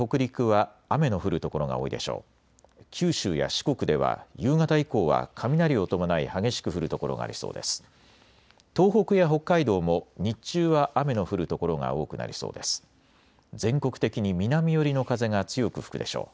九州から東海、北陸は雨の降る所が多いでしょう。